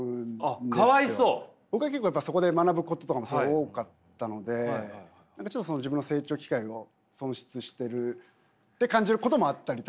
僕は結構やっぱそこで学ぶこととかも多かったのでちょっとその自分の成長機会を損失してるって感じることもあったりとか。